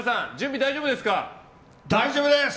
大丈夫です！